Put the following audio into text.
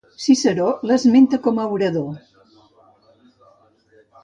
Ciceró l'esmenta com orador.